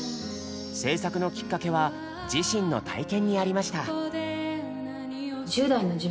制作のきっかけは自身の体験にありました。